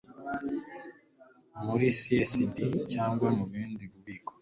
muri csd cyangwa mu bundi bubiko